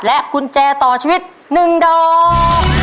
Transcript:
กุญแจต่อชีวิต๑ดอก